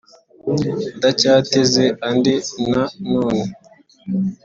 Ndacyateze andi na none